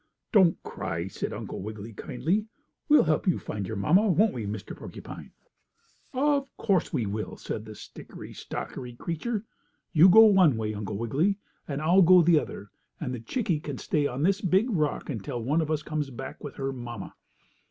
"Don't cry," said Uncle Wiggily, kindly. "We'll help you find your mamma, won't we, Mr. Porcupine?" "Of course we will," said the stickery stockery creature. "You go one way, Uncle Wiggily, and I'll go the other, and the chickie can stay on this big rock until one of us comes back with her mamma."